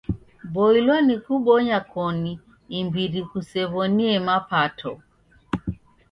Boilwa ni kubonya koni imbiri kusew'oniemapato.